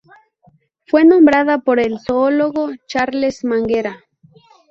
Fue nombrada por el zoólogo Charles manguera.